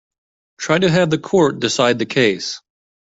Try to have the court decide the case.